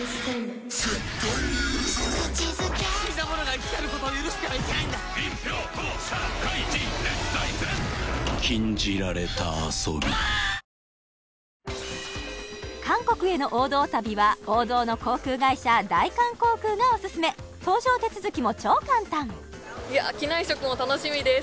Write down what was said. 生しょうゆはキッコーマン韓国への王道旅は王道の航空会社大韓航空がオススメ搭乗手続きも超簡単機内食も楽しみです